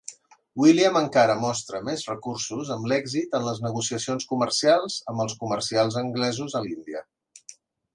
William encara mostra més recursos amb l'èxit en les negociacions comercials amb els comercials anglesos a l'Índia.